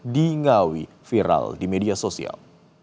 di ngawi viral di media sosial